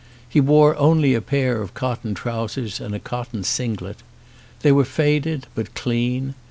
He wore only a pair of cotton trousers and a cotton singlet. They were faded but clean.